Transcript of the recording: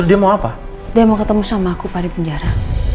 dia mau apa dia mau ketemu sama aku pak di penjara